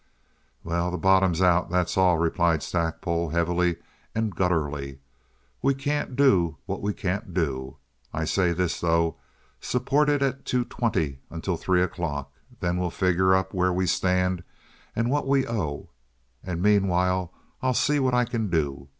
"Well, the bottom's out, that's all," replied Stackpole, heavily and gutturally. "We can't do what we can't do. I say this, though: support it at two twenty until three o'clock. Then we'll figure up where we stand and what we owe. And meanwhile I'll see what I can do.